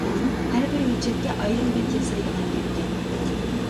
ھەر-بىر ھۆججەتكە ئايرىم بەت ياسايدىغان گەپكەن.